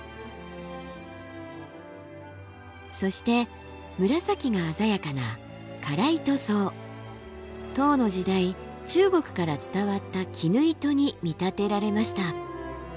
そして紫が鮮やかな唐の時代中国から伝わった絹糸に見立てられました。